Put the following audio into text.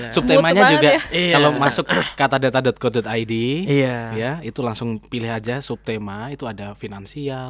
subtemanya juga kalau masuk katadeta co id ya itu langsung pilih aja subtema itu ada finansial